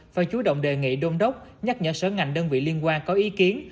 phải chú động đề nghị đôn đốc nhắc nhở sở ngành đơn vị liên quan có ý kiến